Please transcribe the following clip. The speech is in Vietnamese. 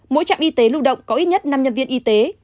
mỗi trạm y tế lưu động có ít nhất năm nhân viên y tế